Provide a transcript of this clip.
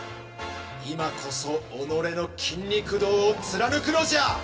今こそ己の筋肉道を貫くのじゃ！